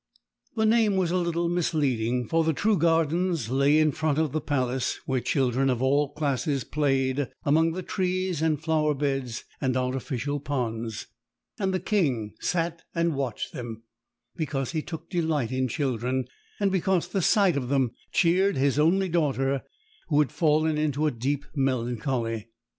The name was a little misleading, for the true gardens lay in front of the Palace, where children of all classes played among the trees and flower beds and artificial ponds, and the King sat and watched them, because he took delight in children, and because the sight of them cheered his only daughter, who had fallen into a deep melancholy.